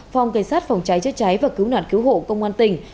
phòng cảnh sát phòng cháy chữa cháy và cứu nạn cứu hộ công an tỉnh